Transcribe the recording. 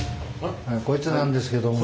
こいつなんですけども。